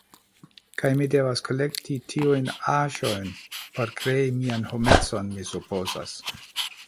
Kaj mi devas kolekti tiujn aĵojn por krei mian homecon, mi supozas.